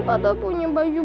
pada punya baju